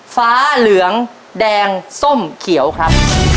ฟ้าเหลืองแดงส้มเขียวครับ